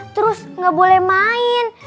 terus gak boleh main